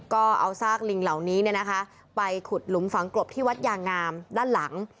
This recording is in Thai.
ก็เอาซากลิงเหล่านี้ไปขุดหลุมฝังกลบที่วัดยางงามด้านหลัง